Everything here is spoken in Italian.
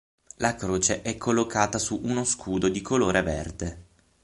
La croce è collocata su uno scudo di colore verde.